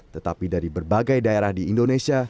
tetapi dari berbagai daerah di indonesia